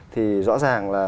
thì rõ ràng là